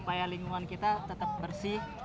supaya lingkungan kita tetap bersih